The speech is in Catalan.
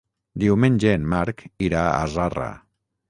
Diumenge en Marc irà a Zarra.